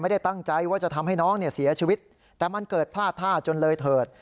ไม่ได้ตั้งใจว่าจะทำให้น้องเนี่ยเสียชีวิตแต่มันเกิดพลาดท่าจนเลยเถิด